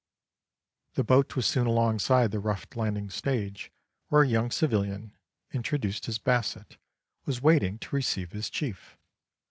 The boat was soon alongside the rough landing stage, where a young civilian, introduced as Basset, was waiting to receive his chief.